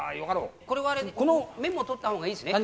これはメモ取った方がいいですね。